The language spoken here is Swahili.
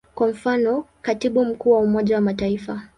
Kwa mfano, Katibu Mkuu wa Umoja wa Mataifa.